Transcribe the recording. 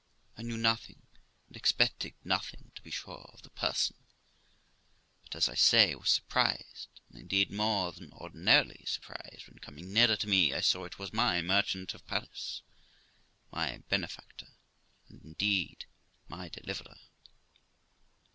I knew nothing, and expected nothing, to be sure, of the person j but, as I say, was surprised, and indeed more than ordinar ily surprised, when, coming nearer to me, I saw it was my merchant of Paris, my benefactor, and indeed my deliverer.